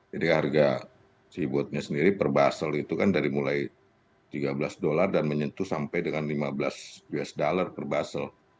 jadi harga si botnya sendiri per basel itu kan dari mulai tiga belas dolar dan menyentuh sampai dengan lima belas usd per basel